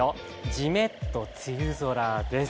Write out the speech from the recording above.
じめっと梅雨空です。